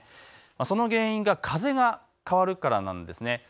その原因が風が変わるからなんです。